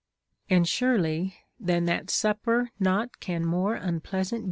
And surely Than that supper nought can more unpleasant be,* * Odyss.